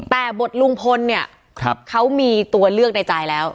แต่บทลุงพลเนี่ยเขามีตัวเลือกในใจแล้ว